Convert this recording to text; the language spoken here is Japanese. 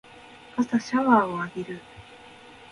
朝シャワーを浴びる